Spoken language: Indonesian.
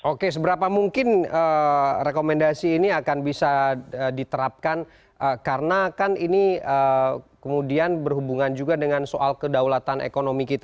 oke seberapa mungkin rekomendasi ini akan bisa diterapkan karena kan ini kemudian berhubungan juga dengan bumn